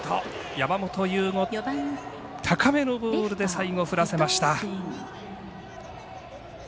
山本由吾、高めのボールで最後、振らせました。